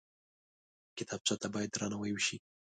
کتابچه ته باید درناوی وشي